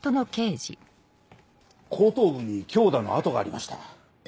後頭部に強打の痕がありました。